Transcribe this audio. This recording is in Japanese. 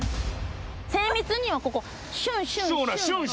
精密にはここシュンシュンシュン。